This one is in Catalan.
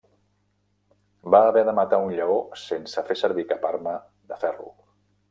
Va haver de matar un lleó sense fer servir cap arma de ferro.